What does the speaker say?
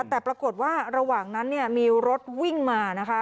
แต่ปรากฏว่าระหว่างนั้นมีรถวิ่งมานะคะ